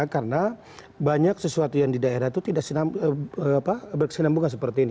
karena banyak sesuatu yang di daerah itu tidak berkesinambungan seperti ini